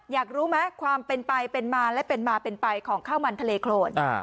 อยากรู้ไหมความเป็นไปเป็นมาและเป็นมาเป็นไปของข้าวมันทะเลโครน